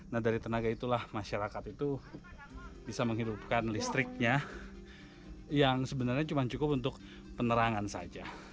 nah dari tenaga itulah masyarakat itu bisa menghidupkan listriknya yang sebenarnya cuma cukup untuk penerangan saja